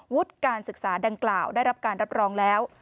การศึกษาดังกล่าวได้รับการรับรองแล้ว